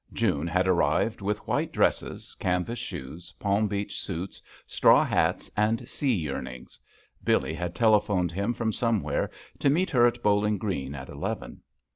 June had ar rived with white dresses, canvas shoes, Palm Beach suits, straw hats and sea yearnings. Billee had telephoned him from somewhere to meet her at Bowling Green at eleven.